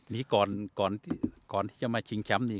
นี่ก่อนที่จะมาชิงเนี่ย